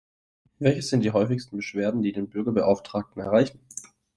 Welches sind die häufigsten Beschwerden, die den Bürgerbeauftragten erreichen?